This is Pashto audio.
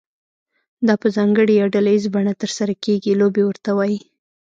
دا په ځانګړې یا ډله ییزه بڼه ترسره کیږي لوبې ورته وایي.